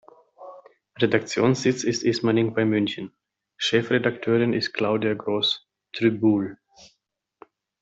Redaktionssitz ist Ismaning bei München, Chefredakteurin ist Claudia Groß-Trybuhl.